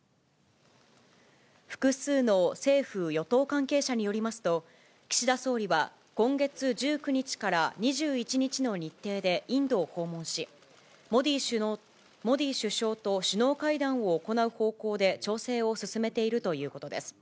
複数の政府・与党関係者によりますと、岸田総理は今月１９日から２１日の日程でインドを訪問し、モディ首相と首脳会談を行う方向で調整を進めているということです。